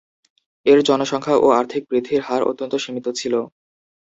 এর জনসংখ্যা ও আর্থিক বৃদ্ধির হার অত্যন্ত সীমিত ছিল।